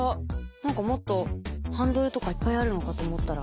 何かもっとハンドルとかいっぱいあるのかと思ったら。